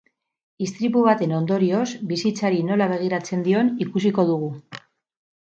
Istripu baten ondorioz bizitzari nola begiratzen dion ikusiko dugu.